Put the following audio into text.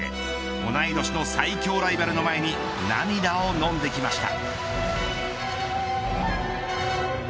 同い年の最強ライバルの前に涙を飲んできました。